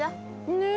ねえ！